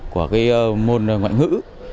của môn ngoại ngữ